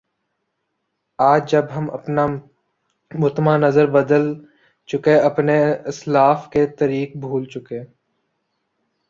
آج جب ہم اپنا مطمع نظر بدل چکے اپنے اسلاف کے طریق بھول چکے